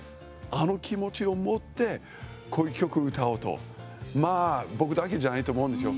あの気持ちを持ってこういう曲歌おうと、まあ僕だけじゃないと思うんですよ。